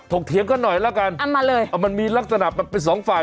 เถียงกันหน่อยละกันเอามาเลยเอามันมีลักษณะมันเป็นสองฝ่าย